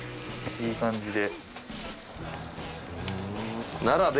いい感じで。